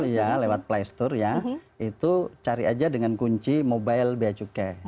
betul ya lewat playstore ya itu cari aja dengan kunci mobile bjkm